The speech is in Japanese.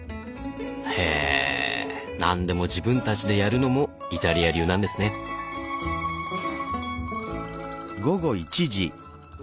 へぇ何でも自分たちでやるのもイタリア流なんですね。